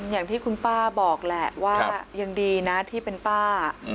อย่างที่คุณป้าบอกแหละว่ายังดีนะที่เป็นป้า